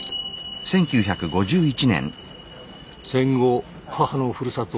戦後母のふるさと